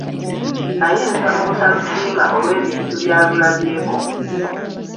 Ayinza obutalusiima olw'ebintu by'alulabyeko.